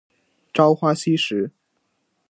朝花夕拾